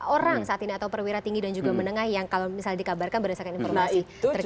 orang saat ini atau perwira tinggi dan juga menengah yang kalau misalnya dikabarkan berdasarkan informasi terkini